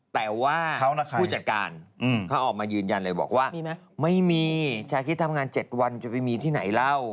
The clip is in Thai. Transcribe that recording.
แต่ว่าผู้จัดการเขาออกมายืนยันเลยบอกว่าไม่มีชาคิดทำงาน๗วันจะไปมีที่ไหนเล่า